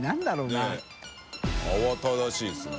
ねぇ慌ただしいですね。